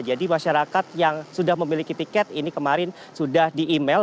jadi masyarakat yang sudah memiliki tiket ini kemarin sudah di email